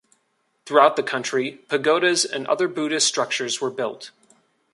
Throughout the country pagodas and other Buddhist structures were built.